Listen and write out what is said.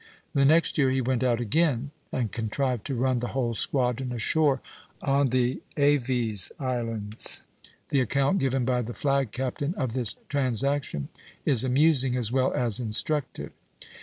The next year he went out again and contrived to run the whole squadron ashore on the Aves Islands. The account given by the flag captain of this transaction is amusing as well as instructive.